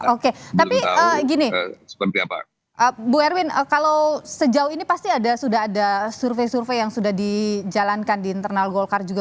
oke tapi gini bu erwin kalau sejauh ini pasti sudah ada survei survei yang sudah dijalankan di internal golkar juga